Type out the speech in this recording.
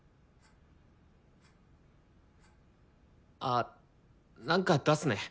あなんか出すね。